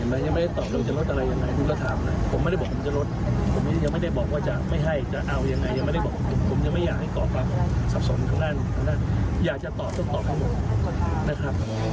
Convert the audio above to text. ยังไม่ได้ตอบเราจะลดอะไรยังไงคุณก็ถามนะผมไม่ได้บอกผมจะลดผมยังไม่ได้บอกว่าจะไม่ให้จะเอายังไงยังไม่ได้บอกผมยังไม่อยากให้ก่อความสับสนทางด้านทางด้านอยากจะตอบส้มตอบทั้งหมดนะครับ